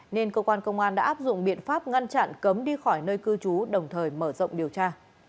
nên cơ quan công an đã áp dụng biện pháp ngăn chặn cấm đi khỏi nơi cư trú đồng thời mở rộng điều tra